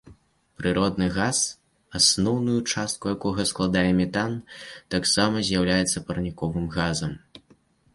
Прыродны газ, асноўную частку якога складае метан, таксама з'яўляецца парніковым газам.